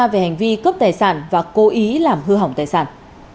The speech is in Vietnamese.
và cố ý làm hư hỏng tài sản